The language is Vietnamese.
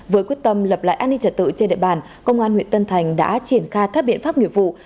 với quyết tâm lập lại an ninh trật tự trên địa bàn công an huyện tân thành đã triển khai các biện pháp nghiệp vụ